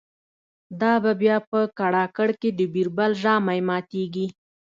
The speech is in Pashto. دا به بیا په کړاکړ کی د« بیربل» ژامی ماتیږی